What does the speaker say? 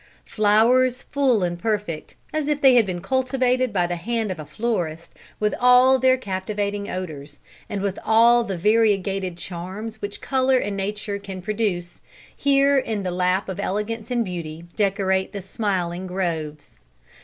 Flowers full and perfect, as if they had been cultivated by the hand of a florist, with all their captivating odors, and with all the variegated charms which color and nature can produce, here in the lap of elegance and beauty, decorate the smiling groves.